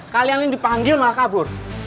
kalian ini dipanggil malah kabur